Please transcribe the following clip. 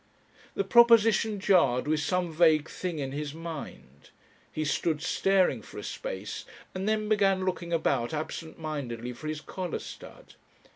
The proposition jarred with some vague thing in his mind. He stood staring for a space, and then began looking about absent mindedly for his collar stud.